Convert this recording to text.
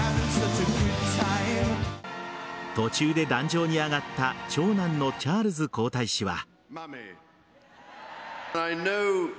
途中で壇上に上がった長男のチャールズ皇太子は。